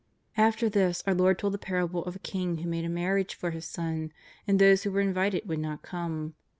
After this our Lord told the parable of a king who made a marriage for his son, and those who were in vited would not come.